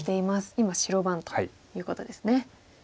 今白番ということですね。